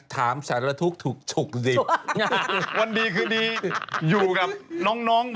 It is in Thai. ถ้ามันอยู่สูงมากอย่างนี้